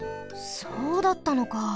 そうだったのか。